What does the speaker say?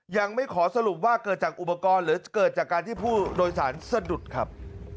ยังไม่ขอสรุปว่าเกิดจากอุปกรณ์หรือเกิดจากการที่ผู้โดยสารสะดุดครับ